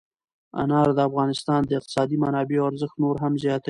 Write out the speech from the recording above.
انار د افغانستان د اقتصادي منابعو ارزښت نور هم زیاتوي.